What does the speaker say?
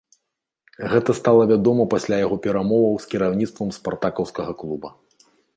Гэта стала вядома пасля яго перамоваў з кіраўніцтвам спартакаўскага клуба.